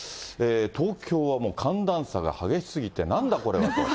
東京はもう寒暖差が激しすぎて、なんだこれはと。